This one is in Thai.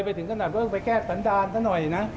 ไปถึงขนาดว่าต้องไปแก้สันดาลซะหน่อยนะ